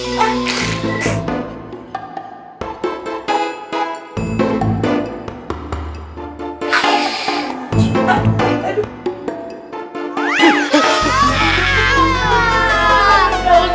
udah udah udah ustadz